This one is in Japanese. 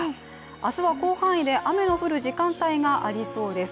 明日は広範囲で雨の降る時間帯がありそうです